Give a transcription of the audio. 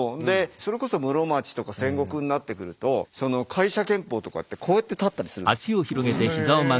それこそ室町とか戦国になってくると介者剣法とかってこうやって立ったりするんですよ。